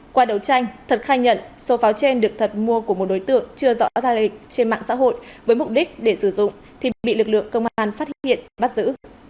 qua đấu tranh thật khai nhận số pháo trên được thật mua của một đối tượng chưa rõ ra lịch trên mạng xã hội với mục đích để sử dụng thì bị lực lượng công an phát hiện bắt giữ